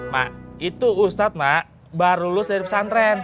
mak itu ustadz mak baru lulus dari pesantren